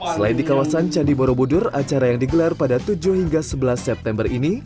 selain di kawasan candi borobudur acara yang digelar pada tujuh hingga sebelas september dua ribu dua puluh dua